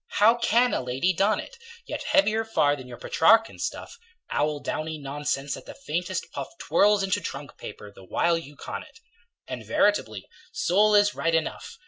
how can a lady don it? Yet heavier far than your Petrarchan stuff Owl downy nonsense that the faintest puff Twirls into trunk paper the while you con it." And, veritably, Sol is right enough.